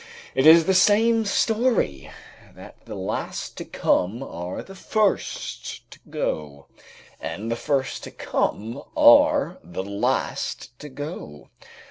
It is the same story that the last to come are the first to go, and the first to come are the last to go.